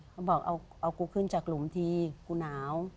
เขาบอกเอากูขึ้นจากหลุมทีกูหนาว